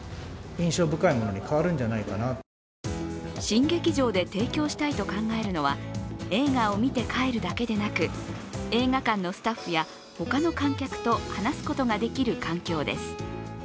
新劇場で提供したいと考えるのは、映画を見て帰るだけでなく映画館のスタッフや、他の観客と話すことができる環境です。